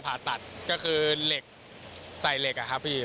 ผ่าตัดก็คือเหล็กใส่เหล็กอะครับพี่